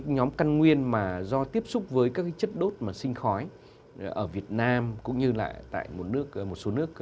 nhóm căn nguyên do tiếp xúc với các chất đốt sinh khói ở việt nam cũng như là tại một số nước khu vực